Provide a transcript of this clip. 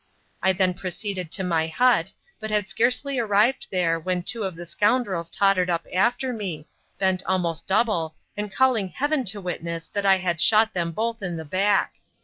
I then proceeded to my hut, but had scarcely arrived there when two of the scoundrels tottered up after me, bent almost double and calling Heaven to witness that I had shot them both in the back.